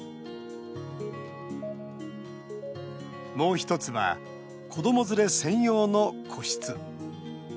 もう１つは子ども連れ専用の個室。